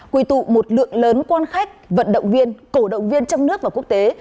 quỳ tụ một lượng lớn quan khách vận động viên cổ động viên trong nước và quốc tế